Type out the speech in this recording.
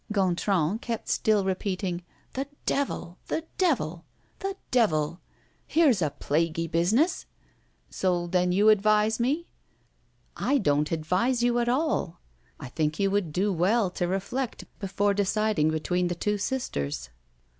Gontran kept still repeating: "The devil! the devil! the devil! here's a plaguy business! So then you advise me?" "I don't advise you at all. I think you would do well to reflect before deciding between the two sisters."